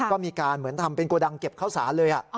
ก็มีการเหมือนทำเป็นโกดังเก็บข้าวสารเลย